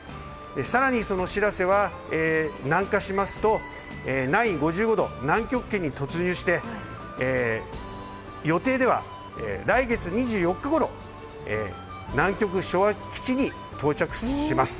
さらに、そのしらせは南下しますと南緯５５度南極圏に突入して予定では来月２４日ごろ南極昭和基地に到着します。